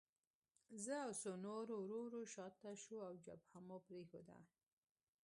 زه او څو نور ورو ورو شاته شوو او جبهه مو پرېښوده